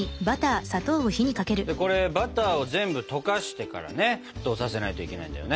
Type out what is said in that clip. これバターを全部溶かしてからね沸騰させないといけないんだよね。